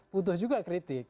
butuh juga kritik